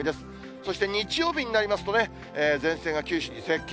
そして日曜日になりますとね、前線が九州に接近。